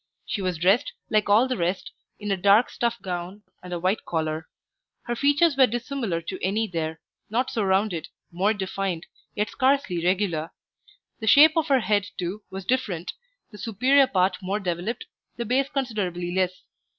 She was dressed, like all the rest, in a dark stuff gown and a white collar; her features were dissimilar to any there, not so rounded, more defined, yet scarcely regular. The shape of her head too was different, the superior part more developed, the base considerably less.